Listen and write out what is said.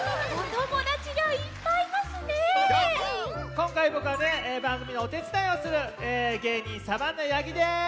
こんかいぼくはばんぐみのおてつだいをするげいにんサバンナ八木です！